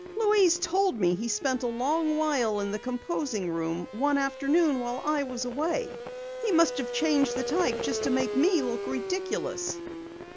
Louise told me he spent a long while in the composing room one afternoon while I was away. He must have changed the type just to make me look ridiculous."